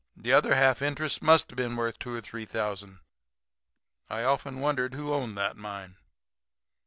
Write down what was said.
The other half interest must have been worth two or three thousand. I often wondered who owned that mine.